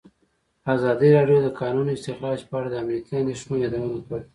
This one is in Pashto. ازادي راډیو د د کانونو استخراج په اړه د امنیتي اندېښنو یادونه کړې.